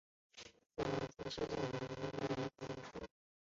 古隆族是分布在尼泊尔中部的山地民族。